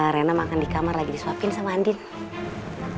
rena makan di kamar lagi disuapin sama andil